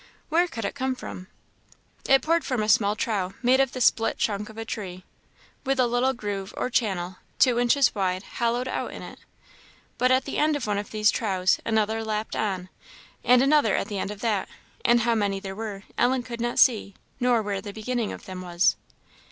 Where could it come from? It poured from a small trough, made of the split trunk of a tree, with a little groove or channel, two inches wide, hollowed out in it. But at the end of one of these troughs, another lapped on, and another at the end of that; and how many there were, Ellen could not see, nor where the beginning of them was.